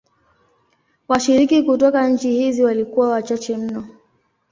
Washiriki kutoka nchi hizi walikuwa wachache mno.